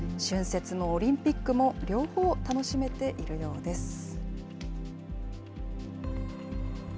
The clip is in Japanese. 春節もオリンピックも両方楽しめているようです。